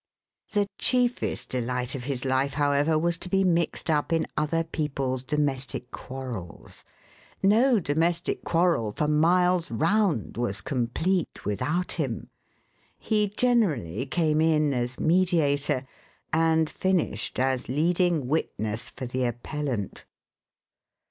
The chiefest delight of his life, however, was to be mixed up in other people's domestic quarrels. No domestic quarrel for miles round was complete without him. He generally came in as mediator, and finished as leading witness for the appellant.